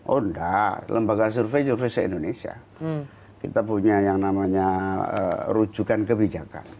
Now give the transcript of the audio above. oh enggak lembaga survei survei indonesia kita punya yang namanya rujukan kebijakan